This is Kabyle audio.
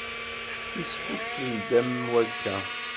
Yesfukel-d am wakka.